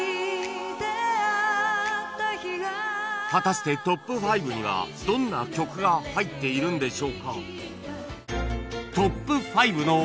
果たしてトップ５にはどんな曲が入っているんでしょうか？